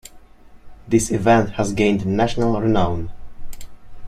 This event has gained national renown..